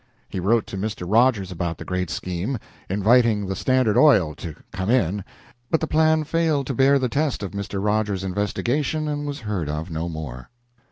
He wrote to Mr. Rogers about the great scheme, inviting the Standard Oil to "come in"; but the plan failed to bear the test of Mr. Rogers's investigation and was heard of no more.